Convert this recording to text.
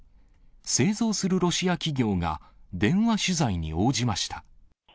製造するロシア企業が電話取材に応じました。